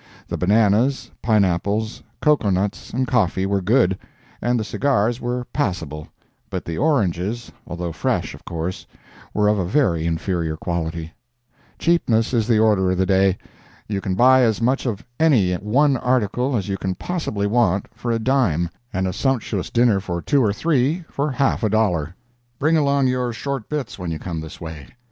The bananas, pine apples, cocoa nuts and coffee were good, and the cigars very passable, but the oranges, although fresh, of course, were of a very inferior quality. Cheapness is the order of the day. You can buy as much of any one article as you can possibly want for a dime, and a sumptuous dinner for two or three for half a dollar. Bring along your short bits when you come this way.